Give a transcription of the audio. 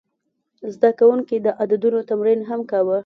زده کوونکي د عددونو تمرین هم کاوه.